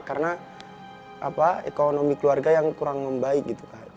karena ekonomi keluarga yang kurang membaik gitu kak